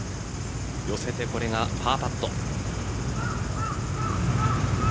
寄せてこれがパーパット。